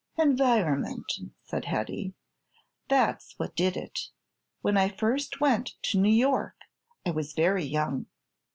"Environment," said Hetty. "That's what did it. When I first went to New York I was very young.